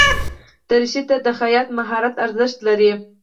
دریشي ته د خیاط مهارت ارزښت لري.